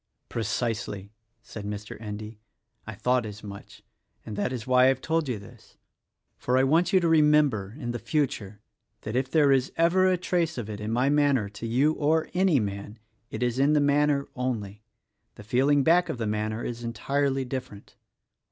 "Precisely!" said Mr. Endy, "I thought as much, and that is why I have told you this; for I want you to remem ber, in the future, that if there is ever a trace of it in my manner to you or any man, it is in the manner only: — the feeling back of the manner is entirely different."